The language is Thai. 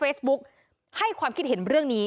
ทีนี้จากรายทื่อของคณะรัฐมนตรี